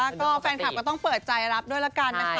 แล้วก็แฟนคลับก็ต้องเปิดใจรับด้วยละกันนะคะ